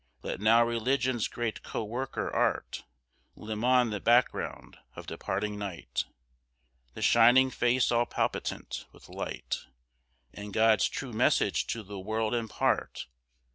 Let now Religion's great co worker Art, Limn on the background of departing night, The shining Face all palpitant with light, And God's true message to the world impart.